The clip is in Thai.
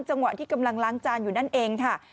จังหวะที่กำลังล้างจานอยู่นั่นเองค่ะ